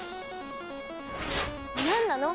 何なの？